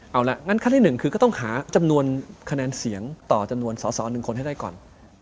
เอาละงั้นขั้นที่๑คือก็ต้องหาจำนวนคะแนนเสียงต่อจำนวนสส๑คนให้ได้ก่อน